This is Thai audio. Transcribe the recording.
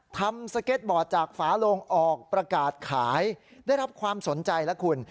ทำสเก็ตบอร์ดจากฝาโลงออกประกาศขายได้รับความสนใจแล้วคุณ